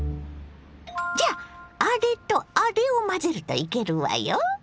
じゃああれとあれを混ぜるといけるわよ！